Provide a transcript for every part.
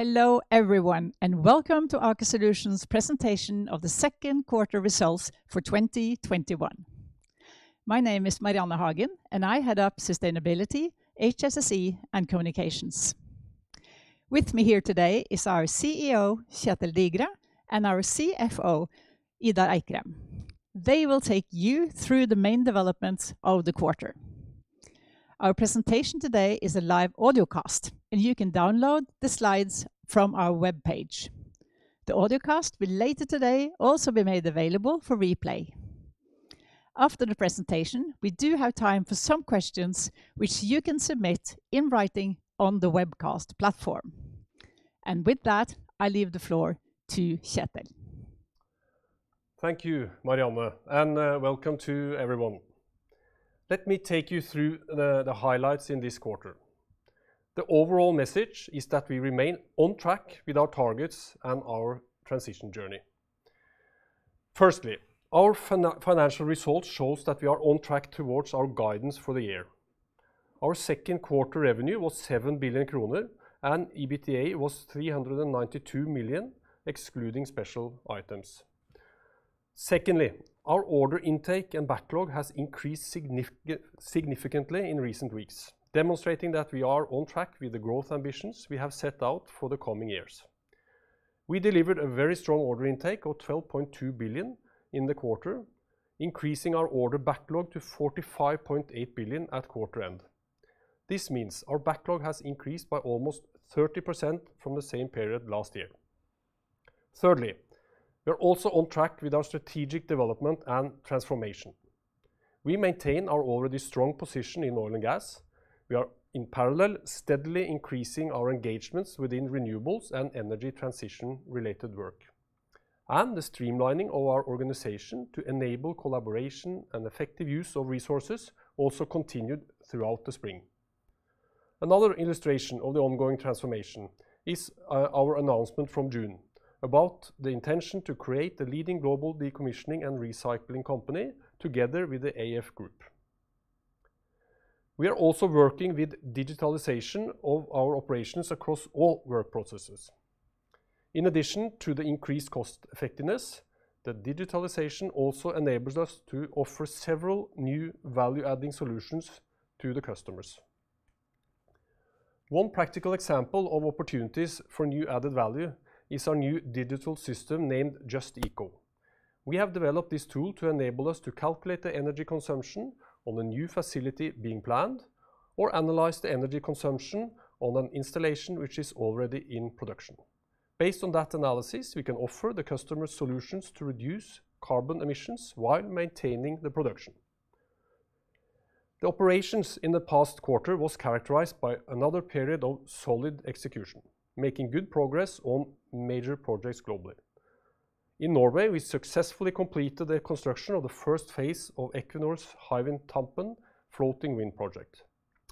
Hello everyone, welcome to Aker Solutions presentation of the second quarter results for 2021. My name is Marianne Hagen, and I head up Sustainability, HSSE, and Communications. With me here today is our CEO, Kjetel Digre, and our CFO, Idar Eikrem. They will take you through the main developments of the quarter. Our presentation today is a live audio cast, and you can download the slides from our webpage. The audio cast will later today also be made available for replay. After the presentation, we do have time for some questions, which you can submit in writing on the webcast platform. With that, I leave the floor to Kjetel. Thank you, Marianne, and welcome to everyone. Let me take you through the highlights in this quarter. The overall message is that we remain on track with our targets and our transition journey. Firstly, our financial results shows that we are on track towards our guidance for the year. Our second quarter revenue was 7 billion kroner, and EBITDA was 392 million, excluding special items. Secondly, our order intake and backlog has increased significantly in recent weeks, demonstrating that we are on track with the growth ambitions we have set out for the coming years. We delivered a very strong order intake of 12.2 billion in the quarter, increasing our order backlog to 45.8 billion at quarter end. This means our backlog has increased by almost 30% from the same period last year. Thirdly, we are also on track with our strategic development and transformation. We maintain our already strong position in oil and gas. We are, in parallel, steadily increasing our engagements within renewables and energy transition-related work. The streamlining of our organization to enable collaboration and effective use of resources also continued throughout the spring. Another illustration of the ongoing transformation is our announcement from June about the intention to create the leading global decommissioning and recycling company together with the AF Gruppen. We are also working with digitalization of our operations across all work processes. In addition to the increased cost-effectiveness, the digitalization also enables us to offer several new value-adding solutions to the customers. One practical example of opportunities for new added value is our new digital system named JustEco. We have developed this tool to enable us to calculate the energy consumption on the new facility being planned or analyze the energy consumption on an installation which is already in production. Based on that analysis, we can offer the customer solutions to reduce carbon emissions while maintaining the production. The operations in the past quarter was characterized by another period of solid execution, making good progress on major projects globally. In Norway, we successfully completed the construction of the first phase of Equinor's Hywind Tampen floating wind project,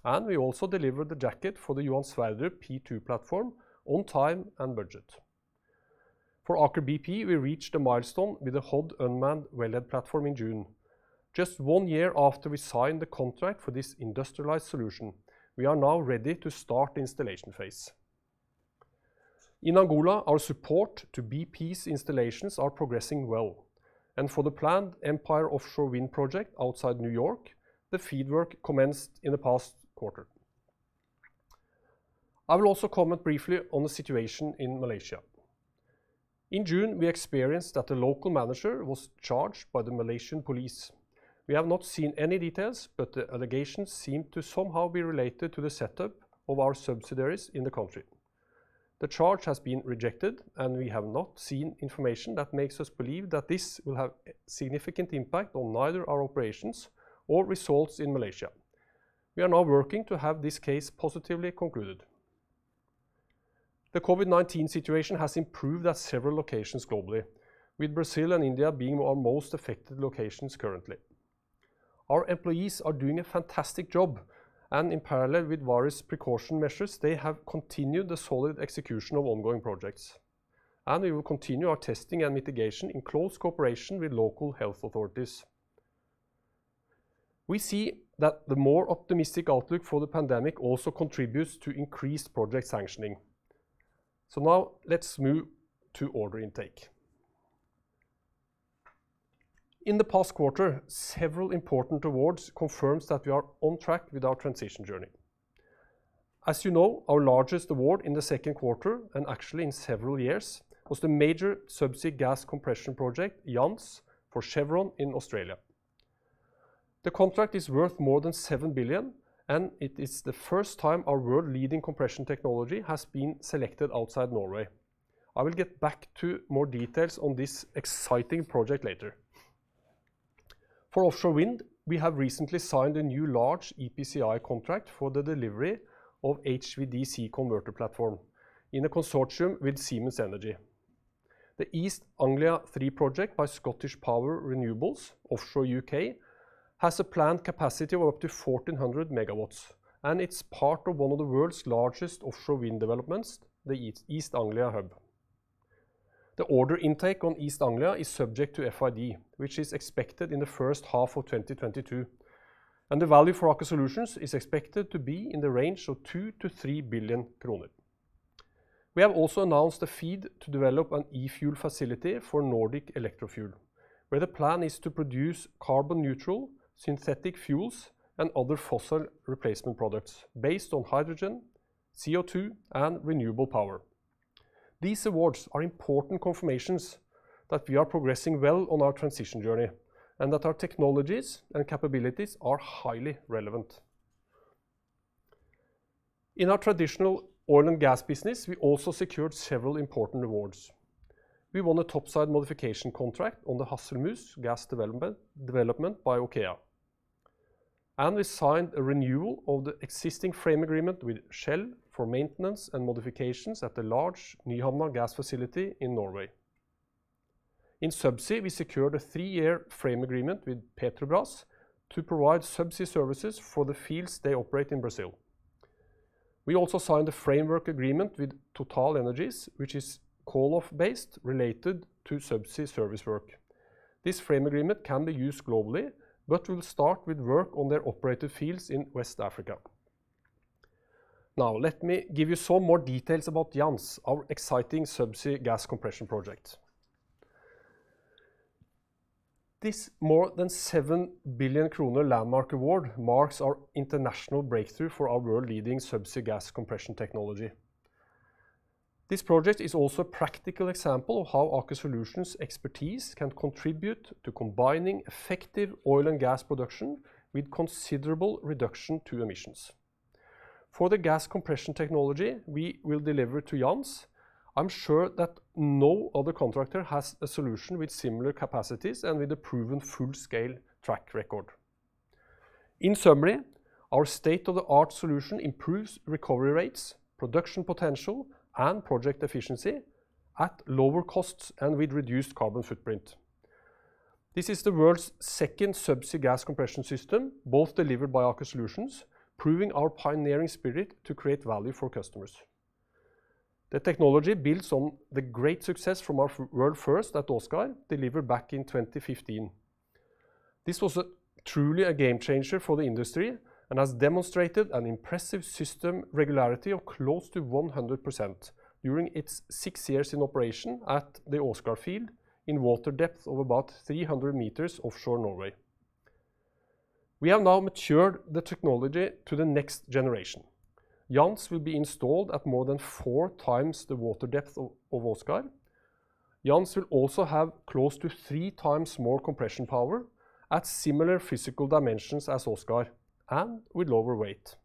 and we also delivered the jacket for the Johan Sverdrup P2 platform on time and budget. For Aker BP, we reached a milestone with the Hod unmanned wellhead platform in June. Just one year after we signed the contract for this industrialized solution, we are now ready to start the installation phase. In Angola, our support to BP's installations are progressing well, and for the planned Empire offshore wind project outside New York, the field work commenced in the past quarter. I will also comment briefly on the situation in Malaysia. In June, we experienced that the local manager was charged by the Malaysian police. We have not seen any details, but the allegations seem to somehow be related to the setup of our subsidiaries in the country. The charge has been rejected, and we have not seen information that makes us believe that this will have significant impact on neither our operations or results in Malaysia. We are now working to have this case positively concluded. The COVID-19 situation has improved at several locations globally, with Brazil and India being our most affected locations currently. Our employees are doing a fantastic job, and in parallel with various precaution measures, they have continued the solid execution of ongoing projects, and we will continue our testing and mitigation in close cooperation with local health authorities. We see that the more optimistic outlook for the pandemic also contributes to increased project sanctioning. Now let's move to order intake. In the past quarter, several important awards confirms that we are on track with our transition journey. As you know, our largest award in the second quarter, and actually in several years, was the major subsea gas compression project, Jansz, for Chevron in Australia. The contract is worth more than 7 billion, and it is the first time our world-leading compression technology has been selected outside Norway. I will get back to more details on this exciting project later. For offshore wind, we have recently signed a new large EPCI contract for the delivery of HVDC converter platform in a consortium with Siemens Energy. The East Anglia Three project by ScottishPower Renewables offshore U.K. has a planned capacity of up to 1,400 MW, and it's part of one of the world's largest offshore wind developments, the East Anglia Hub. The order intake on East Anglia is subject to FID, which is expected in the first half of 2022, and the value for Aker Solutions is expected to be in the range of 2 billion-3 billion kroner. We have also announced a FEED to develop an e-fuel facility for Nordic Electrofuel, where the plan is to produce carbon neutral synthetic fuels and other fossil replacement products based on hydrogen, CO2, and renewable power. These awards are important confirmations that we are progressing well on our transition journey and that our technologies and capabilities are highly relevant. In our traditional oil and gas business, we also secured several important awards. We won a topside modification contract on the Hasselmus gas development by OKEA. We signed a renewal of the existing frame agreement with Shell for maintenance and modifications at the large Nyhamna gas facility in Norway. In Subsea, we secured a three-year frame agreement with Petrobras to provide subsea services for the fields they operate in Brazil. We also signed a framework agreement with TotalEnergies, which is call-off based related to subsea service work. This frame agreement can be used globally, but we'll start with work on their operated fields in West Africa. Now, let me give you some more details about Jansz, our exciting subsea gas compression project. This more than 7 billion kroner landmark award marks our international breakthrough for our world-leading subsea gas compression technology. This project is also a practical example of how Aker Solutions expertise can contribute to combining effective oil and gas production with considerable reduction to emissions. For the gas compression technology we will deliver to Jansz, I'm sure that no other contractor has a solution with similar capacities and with a proven full-scale track record. In summary, our state-of-the-art solution improves recovery rates, production potential, and project efficiency at lower costs and with reduced carbon footprint. This is the world's second subsea gas compression system, both delivered by Aker Solutions, proving our pioneering spirit to create value for customers. The technology builds on the great success from our world first at Åsgard, delivered back in 2015. This was truly a game changer for the industry and has demonstrated an impressive system regularity of close to 100% during its six years in operation at the Åsgard field in water depths of about 300 m offshore Norway. We have now matured the technology to the next generation. Jansz will be installed at more than 4x the water depth of Åsgard. Jansz will also have close to 3x more compression power at similar physical dimensions as Åsgard and with lower weight.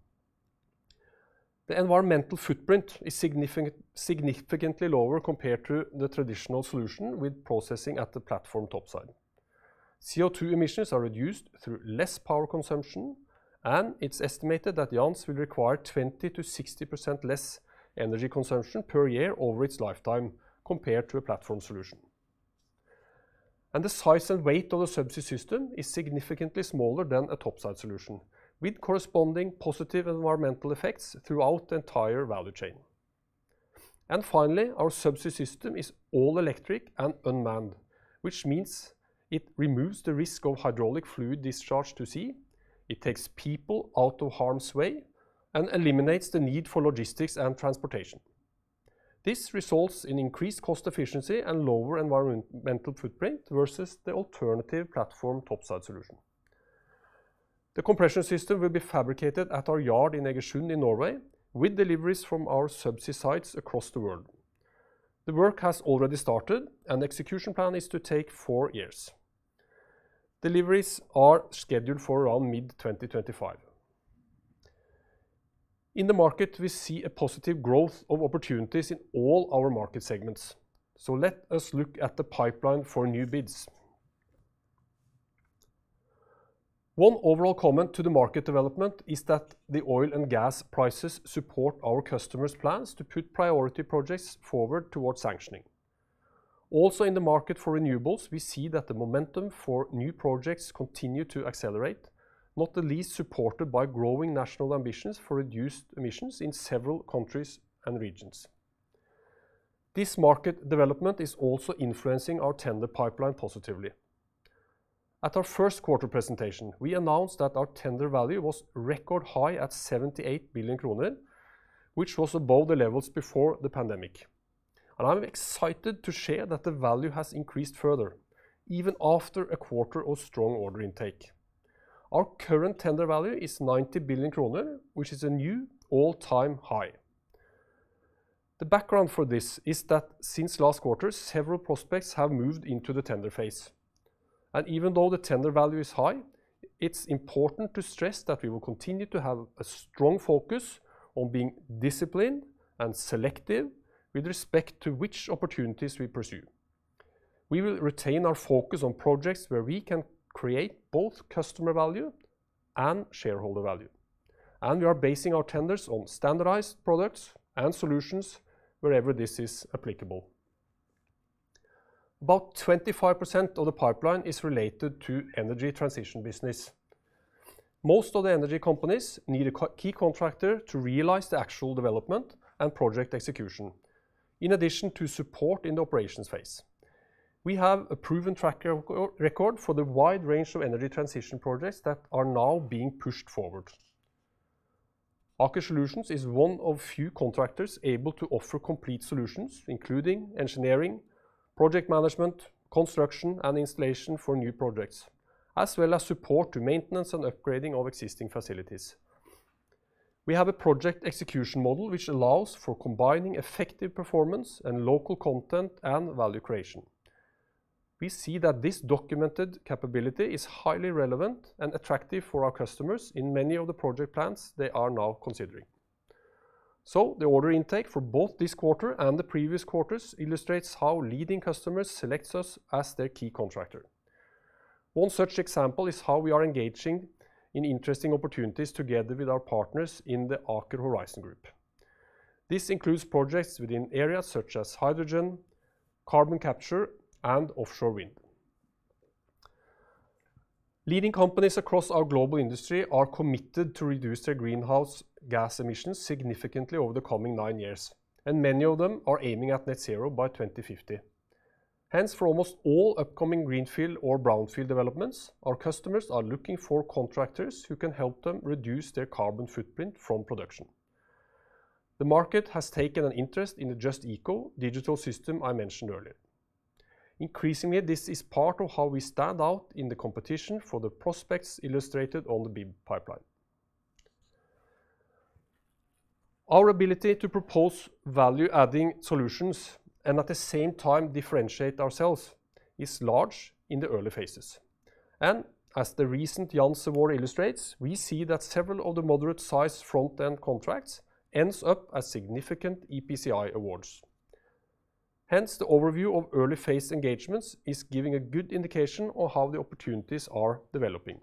The environmental footprint is significantly lower compared to the traditional solution with processing at the platform topside. CO2 emissions are reduced through less power consumption, and it's estimated that Jansz will require 20%-60% less energy consumption per year over its lifetime compared to a platform solution. The size and weight of the subsea system is significantly smaller than a topside solution, with corresponding positive environmental effects throughout the entire value chain. Finally, our subsea system is all electric and unmanned, which means it removes the risk of hydraulic fluid discharge to sea, it takes people out of harm's way, and eliminates the need for logistics and transportation. This results in increased cost efficiency and lower environmental footprint versus the alternative platform topside solution. The compression system will be fabricated at our yard in Egersund in Norway, with deliveries from our subsea sites across the world. The work has already started, and the execution plan is to take four years. Deliveries are scheduled for around mid-2025. In the market, we see a positive growth of opportunities in all our market segments. Let us look at the pipeline for new bids. One overall comment to the market development is that the oil and gas prices support our customers' plans to put priority projects forward towards sanctioning. Also in the market for renewables, we see that the momentum for new projects continue to accelerate, not the least supported by growing national ambitions for reduced emissions in several countries and regions. This market development is also influencing our tender pipeline positively. At our first quarter presentation, we announced that our tender value was record high at 78 billion kroner, which was above the levels before the pandemic. I'm excited to share that the value has increased further, even after a quarter of strong order intake. Our current tender value is 90 billion kroner, which is a new all-time high. The background for this is that since last quarter, several prospects have moved into the tender phase. Even though the tender value is high, it's important to stress that we will continue to have a strong focus on being disciplined and selective with respect to which opportunities we pursue. We will retain our focus on projects where we can create both customer value and shareholder value, and we are basing our tenders on standardized products and solutions wherever this is applicable. About 25% of the pipeline is related to energy transition business. Most of the energy companies need a key contractor to realize the actual development and project execution, in addition to support in the operations phase. We have a proven track record for the wide range of energy transition projects that are now being pushed forward. Aker Solutions is one of few contractors able to offer complete solutions, including engineering, project management, construction and installation for new projects, as well as support to maintenance and upgrading of existing facilities. We have a project execution model which allows for combining effective performance and local content and value creation. We see that this documented capability is highly relevant and attractive for our customers in many of the project plans they are now considering. The order intake for both this quarter and the previous quarters illustrates how leading customers select us as their key contractor. One such example is how we are engaging in interesting opportunities together with our partners in the Aker Horizons group. This includes projects within areas such as hydrogen, carbon capture, and offshore wind. Leading companies across our global industry are committed to reduce their greenhouse gas emissions significantly over the coming nine years, and many of them are aiming at net zero by 2050. Hence, for almost all upcoming greenfield or brownfield developments, our customers are looking for contractors who can help them reduce their carbon footprint from production. The market has taken an interest in the JustEco digital system I mentioned earlier. Increasingly, this is part of how we stand out in the competition for the prospects illustrated on the bid pipeline. Our ability to propose value-adding solutions and at the same time differentiate ourselves is large in the early phases. As the recent Johan Sverdrup illustrates, we see that several of the moderate size front-end contracts ends up as significant EPCI awards. Hence, the overview of early-phase engagements is giving a good indication of how the opportunities are developing.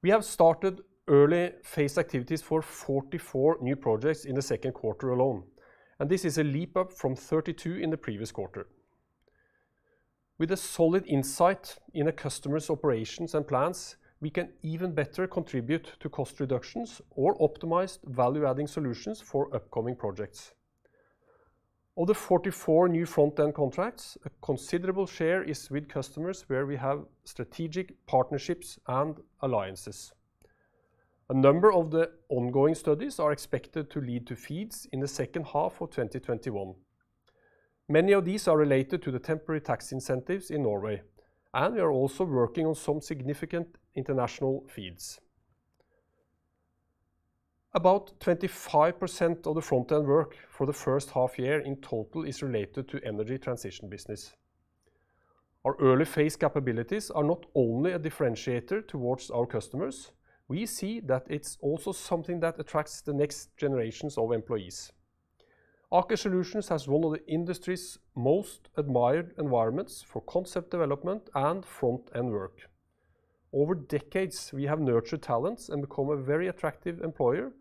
We have started early-phase activities for 44 new projects in the second quarter alone. This is a leap up from 32 in the previous quarter. With a solid insight into customers' operations and plans, we can even better contribute to cost reductions or optimized value-adding solutions for upcoming projects. Of the 44 new front-end contracts, a considerable share is with customers where we have strategic partnerships and alliances. A number of the ongoing studies are expected to lead to FEEDs in the second half of 2021. Many of these are related to the temporary tax incentives in Norway. We are also working on some significant international FEEDs. About 25% of the front-end work for the first half year in total is related to energy transition business. Our early-phase capabilities are not only a differentiator towards our customers, we see that it's also something that attracts the next generations of employees. Aker Solutions has one of the industry's most admired environments for concept development and front-end work. Over decades, we have nurtured talents and become a very attractive employer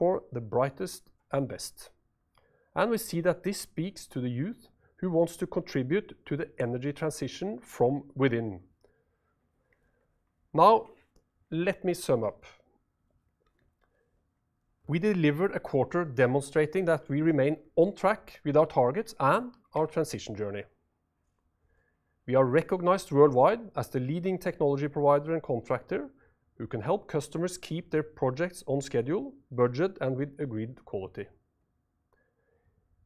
for the brightest and best, and we see that this speaks to the youth who wants to contribute to the energy transition from within. Now, let me sum up. We delivered a quarter demonstrating that we remain on track with our targets and our transition journey. We are recognized worldwide as the leading technology provider and contractor who can help customers keep their projects on schedule, budget, and with agreed quality.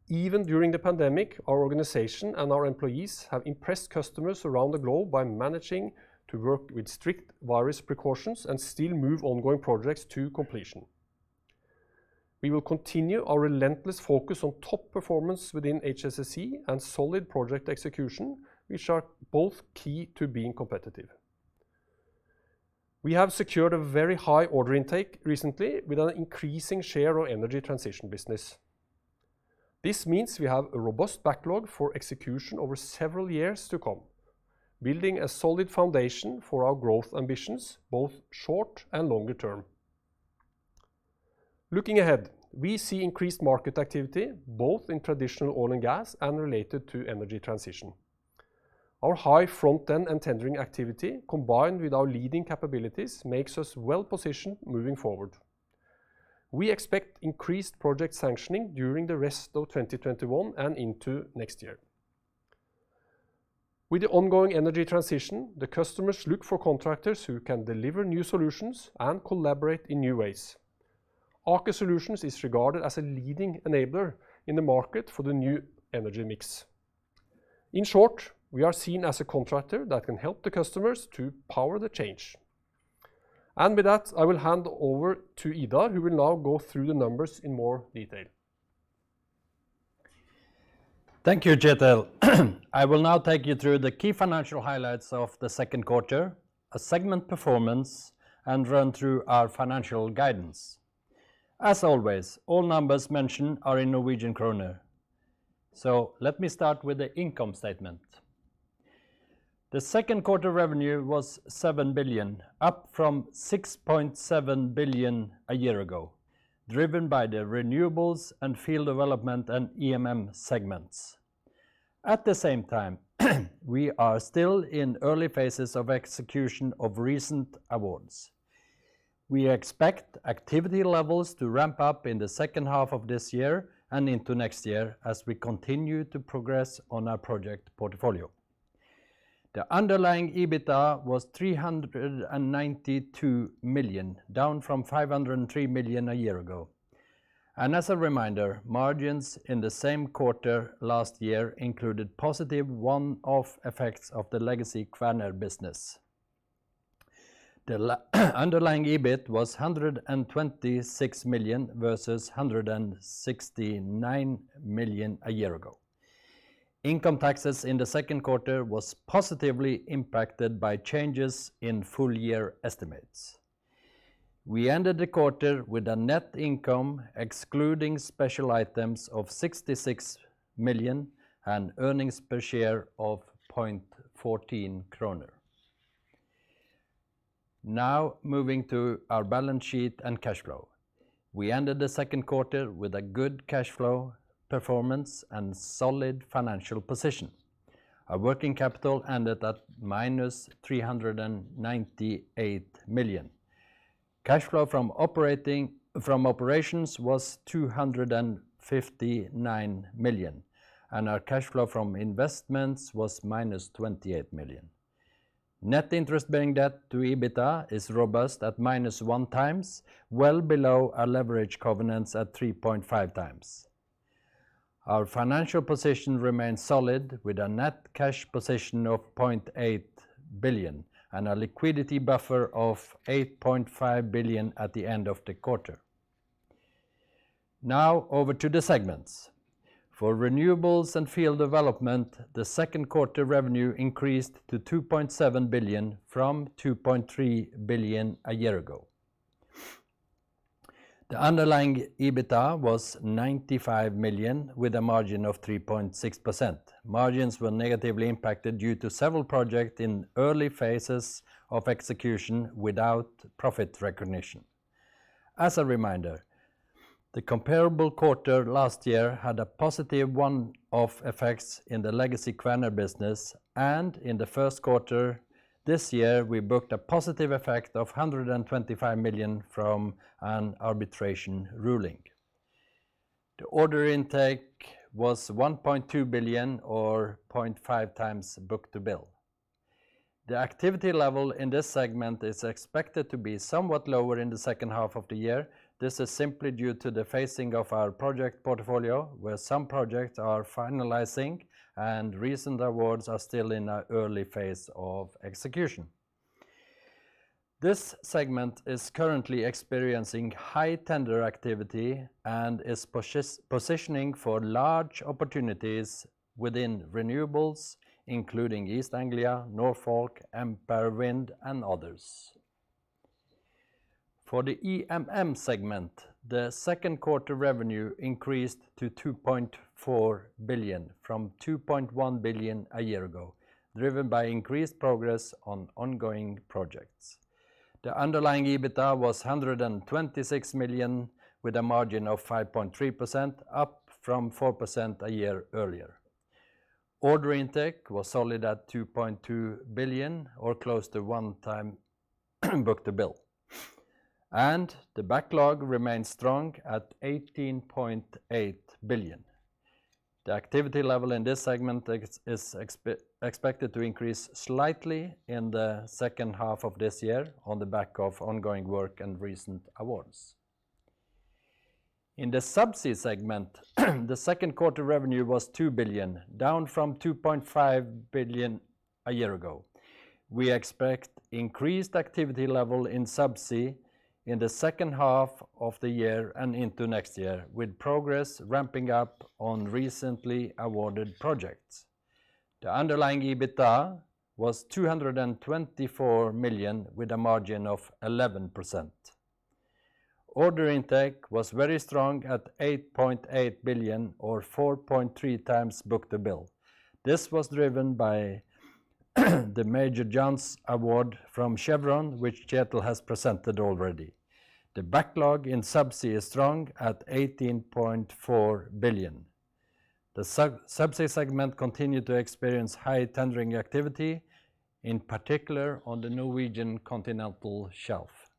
Even during the pandemic, our organization and our employees have impressed customers around the globe by managing to work with strict virus precautions and still move ongoing projects to completion. We will continue our relentless focus on top performance within HSSE and solid project execution, which are both key to being competitive. We have secured a very high order intake recently with an increasing share of energy transition business. This means we have a robust backlog for execution over several years to come, building a solid foundation for our growth ambitions, both short and longer term. Looking ahead, we see increased market activity both in traditional oil and gas and related to energy transition. Our high front-end and tendering activity, combined with our leading capabilities, makes us well-positioned moving forward. We expect increased project sanctioning during the rest of 2021 and into next year. With the ongoing energy transition, the customers look for contractors who can deliver new solutions and collaborate in new ways. Aker Solutions is regarded as a leading enabler in the market for the new energy mix. In short, we are seen as a contractor that can help the customers to power the change. With that, I will hand over to Idar, who will now go through the numbers in more detail. Thank you, Kjetel. I will now take you through the key financial highlights of the second quarter, our segment performance, and run through our financial guidance. As always, all numbers mentioned are in Norwegian kroner. Let me start with the income statement. The second quarter revenue was 7 billion, up from 6.7 billion a year ago, driven by the renewables and field development and EMM segments. At the same time, we are still in early phases of execution of recent awards. We expect activity levels to ramp up in the second half of this year and into next year as we continue to progress on our project portfolio. The underlying EBITDA was 392 million, down from 503 million a year ago. As a reminder, margins in the same quarter last year included positive one-off effects of the legacy Kværner business. The underlying EBIT was 126 million versus 169 million a year ago. Income taxes in the second quarter was positively impacted by changes in full-year estimates. We ended the quarter with a net income excluding special items of 66 million and earnings per share of 0.14 kroner. Now moving to our balance sheet and cash flow. We ended the second quarter with a good cash flow performance and solid financial position. Our working capital ended at -398 million. Cash flow from operations was 259 million, and our cash flow from investments was -28 million. Net interest-bearing debt to EBITDA is robust at -1x, well below our leverage covenants at 3.5x. Our financial position remains solid with a net cash position of 0.8 billion and a liquidity buffer of 8.5 billion at the end of the quarter. Now over to the segments. For renewables and field development, the second quarter revenue increased to 2.7 billion from 2.3 billion a year ago. The underlying EBITDA was 95 million with a margin of 3.6%. Margins were negatively impacted due to several projects in early phases of execution without profit recognition. As a reminder, the comparable quarter last year had a positive one-off effect in the legacy Kværner business, and in the first quarter this year, we booked a positive effect of 125 million from an arbitration ruling. The order intake was 1.2 billion or 0.5x book-to-bill. The activity level in this segment is expected to be somewhat lower in the second half of the year. This is simply due to the phasing of our project portfolio, where some projects are finalizing and recent awards are still in the early phase of execution. This segment is currently experiencing high tender activity and is positioning for large opportunities within renewables, including East Anglia, Norfolk, Empire Wind, and others. For the EMM segment, the second quarter revenue increased to 2.4 billion from 2.1 billion a year ago, driven by increased progress on ongoing projects. The underlying EBITDA was 126 million, with a margin of 5.3%, up from 4% a year earlier. Order intake was solid at 2.2 billion or close to one time book-to-bill, and the backlog remains strong at 18.8 billion. The activity level in this segment is expected to increase slightly in the second half of this year on the back of ongoing work and recent awards. In the Subsea segment, the second quarter revenue was 2 billion, down from 2.5 billion a year ago. We expect increased activity level in Subsea in the second half of the year and into next year, with progress ramping up on recently awarded projects. The underlying EBITDA was 224 million, with a margin of 11%. Order intake was very strong at 8.8 billion or 4.3x book-to-bill. This was driven by the major Jansz-Io award from Chevron, which Kjetel has presented already. The backlog in Subsea is strong at 18.4 billion. The Subsea segment continued to experience high tendering activity, in particular on the Norwegian continental shelf.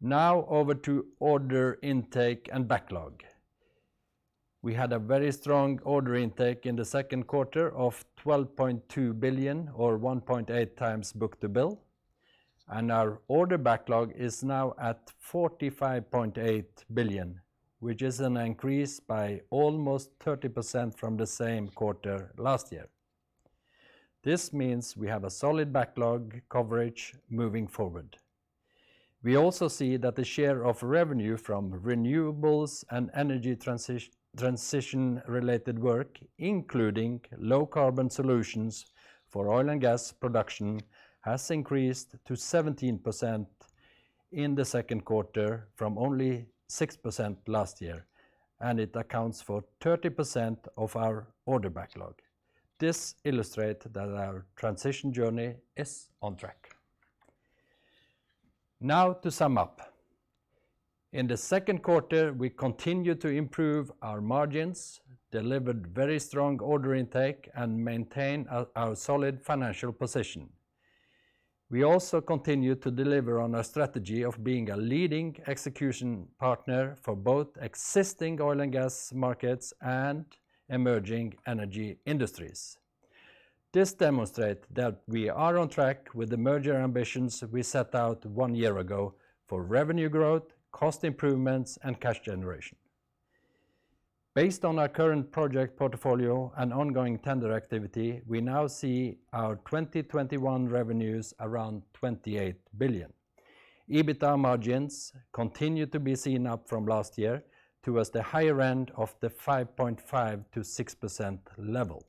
Now over to order intake and backlog. We had a very strong order intake in the second quarter of 12.2 billion or 1.8x book-to-bill, and our order backlog is now at 45.8 billion, which is an increase by almost 30% from the same quarter last year. This means we have a solid backlog coverage moving forward. We also see that the share of revenue from renewables and energy transition-related work, including low-carbon solutions for oil and gas production, has increased to 17% in the second quarter from only 6% last year, and it accounts for 30% of our order backlog. This illustrates that our transition journey is on track. Now to sum up. In the second quarter, we continued to improve our margins, delivered very strong order intake, and maintained our solid financial position. We also continued to deliver on our strategy of being a leading execution partner for both existing oil and gas markets and emerging energy industries. This demonstrates that we are on track with the merger ambitions we set out one year ago for revenue growth, cost improvements, and cash generation. Based on our current project portfolio and ongoing tender activity, we now see our 2021 revenues around 28 billion. EBITDA margins continue to be seen up from last year towards the higher end of the 5.5%-6% level.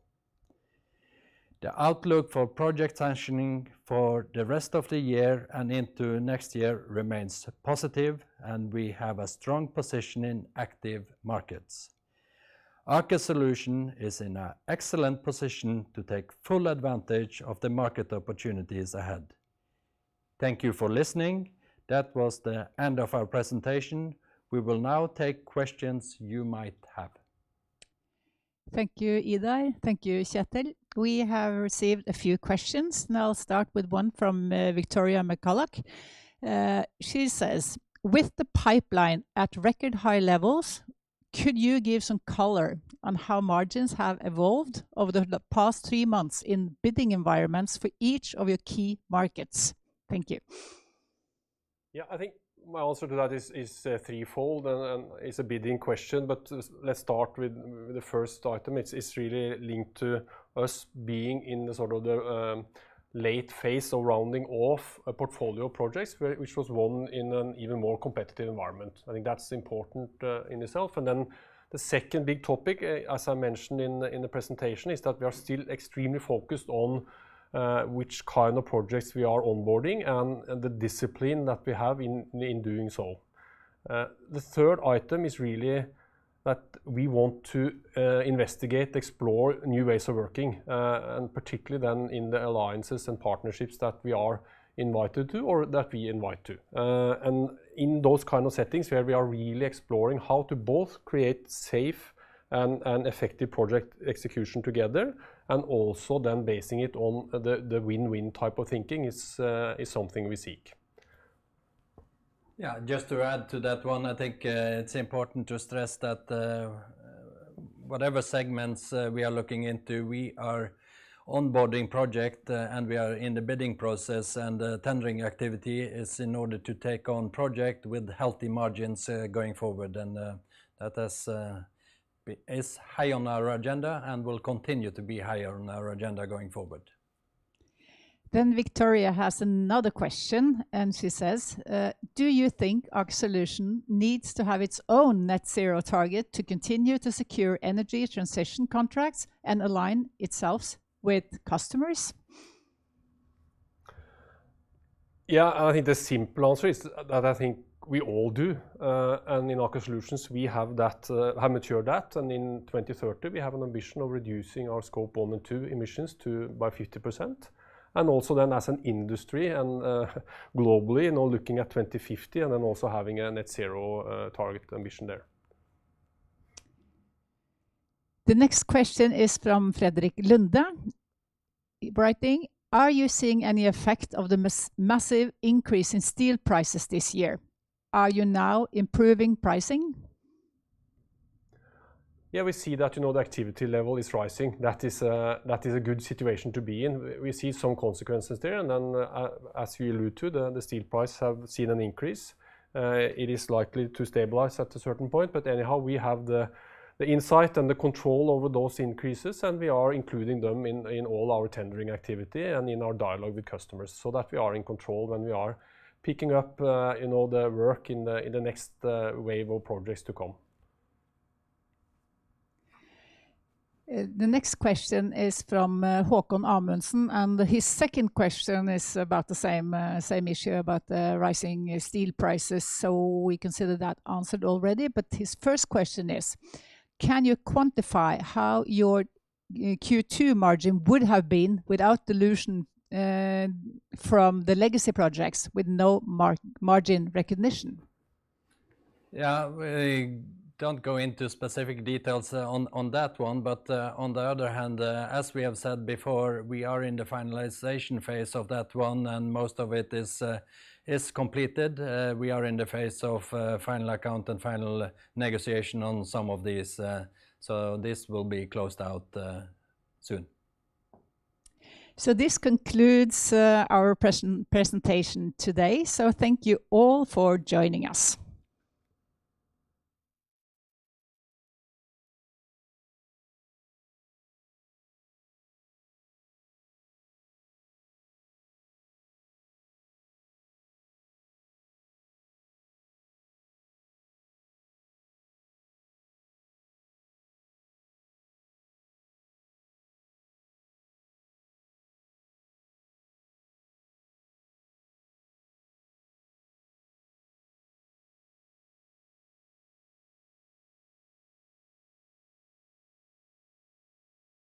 The outlook for project sanctioning for the rest of the year and into next year remains positive, and we have a strong position in active markets. Aker Solutions is in an excellent position to take full advantage of the market opportunities ahead. Thank you for listening. That was the end of our presentation. We will now take questions you might have. Thank you, Idar. Thank you, Kjetel. We have received a few questions. I'll start with one from Victoria McCulloch. She says, "With the pipeline at record high levels, could you give some color on how margins have evolved over the past three months in bidding environments for each of your key markets? Thank you. Yeah, I think my answer to that is threefold, and it's a bidding question, but let's start with the first item. It's really linked to us being in the late phase of rounding off portfolio projects, which was won in an even more competitive environment. I think that's important in itself. The second big topic, as I mentioned in the presentation, is that we are still extremely focused on which kind of projects we are onboarding and the discipline that we have in doing so. The third item is really that we want to investigate, explore new ways of working, and particularly then in the alliances and partnerships that we are invited to or that we invite to. In those kind of settings where we are really exploring how to both create safe and effective project execution together and also then basing it on the win-win type of thinking is something we seek. Yeah, just to add to that one, I think it's important to stress that whatever segments we are looking into, we are onboarding project, and we are in the bidding process, and tendering activity is in order to take on project with healthy margins going forward. That is high on our agenda and will continue to be high on our agenda going forward. Victoria has another question, and she says, "Do you think Aker Solutions needs to have its own net zero target to continue to secure energy transition contracts and align itself with customers? Yeah, I think the simple answer is that I think we all do. In Aker Solutions, we have matured that, and in 2030, we have an ambition of reducing our Scope 1 and 2 emissions by 50%. Also then as an industry and globally now looking at 2050 and then also having a net zero target ambition there. The next question is from Frederik Lunde writing, "Are you seeing any effect of the massive increase in steel prices this year? Are you now improving pricing? Yeah, we see that the activity level is rising. That is a good situation to be in. We see some consequences there, and then as we allude to, the steel price have seen an increase. It is likely to stabilize at a certain point, but anyhow, we have the insight and the control over those increases, and we are including them in all our tendering activity and in our dialogue with customers so that we are in control when we are picking up the work in the next wave of projects to come. The next question is from Haakon Amundsen, and his second question is about the same issue about the rising steel prices. We consider that answered already. His first question is, "Can you quantify how your Q2 margin would have been without dilution from the legacy projects with no margin recognition?" Yeah, we don't go into specific details on that one. On the other hand, as we have said before, we are in the finalization phase of that one, and most of it is completed. We are in the phase of final account and final negotiation on some of these, so this will be closed out soon. This concludes our presentation today. Thank you all for joining us.